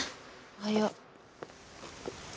おはよう。